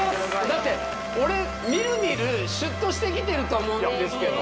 だって俺見る見るシュッとしてきてると思うんですけど・